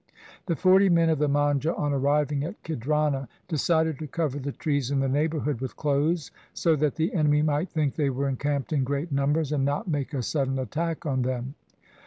The forty men of the Manjha on arriving at Khidrana LIFE OF GURU GOBIND SINGH 213 decided to cover the trees in the neighbourhood with clothes, so that the enemy might think they were encamped in great numbers, and not make a sudden attack on them.